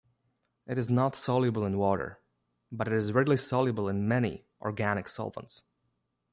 It is not soluble in water, but is readily soluble in many organic solvents.